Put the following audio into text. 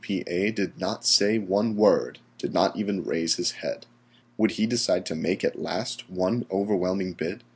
P. A. did not say one word, did not even raise his head. Would he decide to make at last one overwhelming bid?